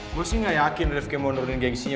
gue sih gak yakin ripki mau nurunin gengsinya